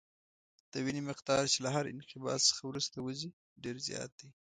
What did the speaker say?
د وینې مقدار چې له هر انقباض څخه وروسته وځي ډېر زیات دی.